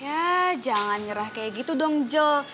ya jangan nyerah kayak gitu dong jell